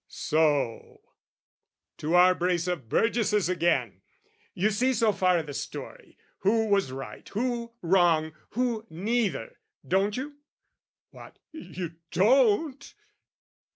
So, to our brace of burgesses again! You see so far i' the story, who was right, Who wrong, who neither, don't you? What, you don't?